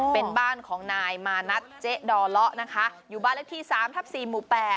เป็นบ้านของนายมานัดเจ๊ดอเลาะนะคะอยู่บ้านเลขที่๓ทับ๔หมู่๘